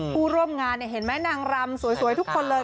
ผู้ร่วมงานเห็นไหมนางรำสวยทุกคนเลย